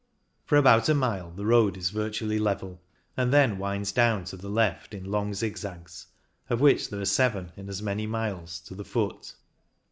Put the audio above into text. For about a mile the road is virtually level, and then winds down to the left in long zigzags, of which there are seven in as many miles, to the foot.